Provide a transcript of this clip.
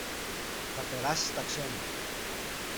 θα περάσει στα ξένα